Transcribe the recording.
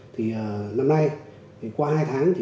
thì năm nay qua hai tháng thì chúng tôi đã có một cái bán vé